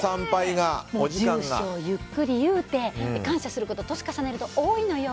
住所をゆっくり言うて感謝すること年重ねると多いのよ。